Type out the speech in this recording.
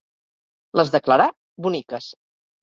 Les de Clarà, boniques.